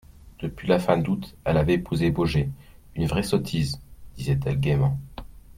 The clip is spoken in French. Depuis la fin d'août, elle avait épousé Baugé, une vraie sottise, disait-elle gaiement.